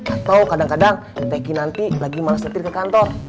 atau kadang kadang tegi nanti lagi males letir ke kantor